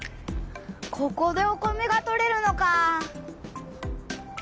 ここでお米がとれるのかあ！